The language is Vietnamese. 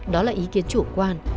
đó là ý kiến chủ quan